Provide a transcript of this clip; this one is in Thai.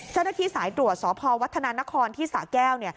เจ้าหน้าที่สายตรวจสพวัฒนานครที่สะแก้วเนี่ย